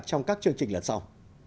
trong các chương trình lần sau